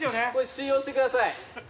◆信用してください。